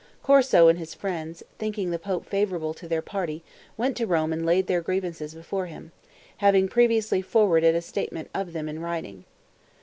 Corso and his friends, thinking the pope favorable to their party, went to Rome and laid their grievances before him, having previously forwarded a statement of them in writing.